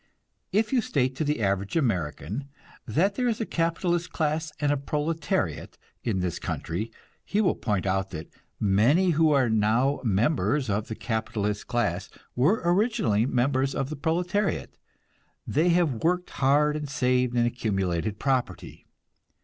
If you state to the average American that there is a capitalist class and a proletariat in this country, he will point out that many who are now members of the capitalist class were originally members of the proletariat; they have worked hard and saved, and accumulated property.